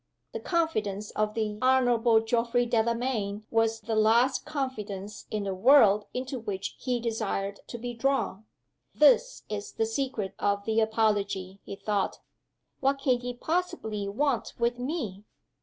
The confidence of the Honorable Geoffrey Delamayn was the last confidence in the world into which he desired to be drawn. "This is the secret of the apology!" he thought. "What can he possibly want with Me?"